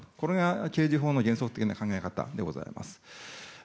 これが刑事法の原則的な考え方でございます。